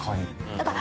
だから。